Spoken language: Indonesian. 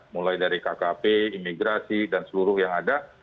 mulai dari kkp imigrasi dan seluruh yang ada